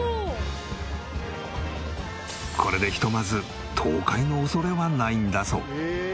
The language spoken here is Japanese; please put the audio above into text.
これでひとまず倒壊の恐れはないんだそう。